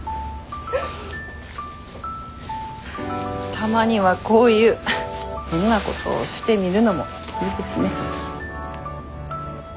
たまにはこういう変なことしてみるのもいいですね。